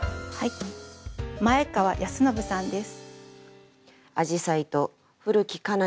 前川泰信さんです。